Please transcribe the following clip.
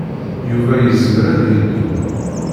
Yuba yezmer ad yeddu.